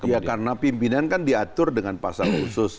ya karena pimpinan kan diatur dengan pasal khusus